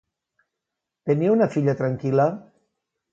Tenia una filla tranquil·la?